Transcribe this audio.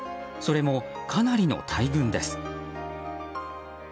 それもかなりの大群です。